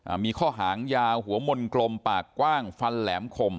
มีข้อหางยาวหัวมนต์กลมปากกว้างฟันแหลมคม